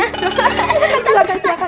silahkan silahkan silahkan